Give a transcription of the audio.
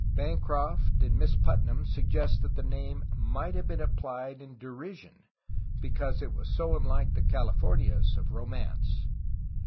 Bancroft and Miss Put nam suggest that the name might have been applied in (derision, because it was so unlike the "Calif ornias' ' of ro mance.